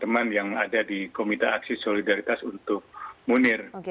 teman yang ada di komite aksi solidaritas untuk munir